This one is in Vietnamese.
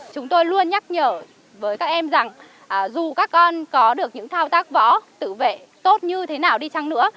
chúng tôi luôn nhắc nhở với các em rằng dù các con có được những thao tác võ tự vệ tốt như thế nào đi chăng nữa